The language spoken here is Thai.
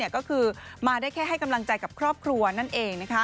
ก็คือมาได้แค่ให้กำลังใจกับครอบครัวนั่นเอง